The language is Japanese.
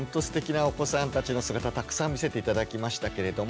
なお子さんたちの姿たくさん見せて頂きましたけれども。